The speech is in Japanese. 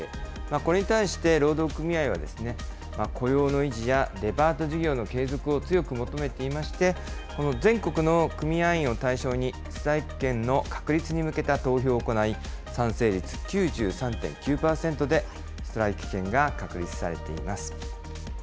これに対して労働組合は、雇用の維持やデパート事業の継続を強く求めていまして、この全国の組合員を対象に、ストライキ権の確立に向けた投票を行い、賛成率９３．９％でストライキ権が確立されています。